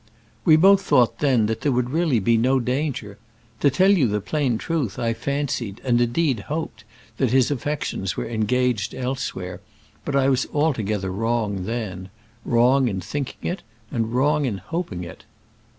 "We both thought then that there would really be no danger. To tell you the plain truth I fancied, and indeed hoped, that his affections were engaged elsewhere; but I was altogether wrong then; wrong in thinking it, and wrong in hoping it."